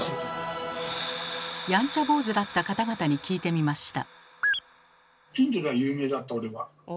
やんちゃ坊主だった方々に聞いてみました。